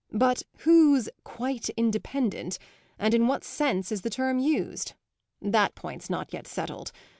But who's 'quite independent,' and in what sense is the term used? that point's not yet settled.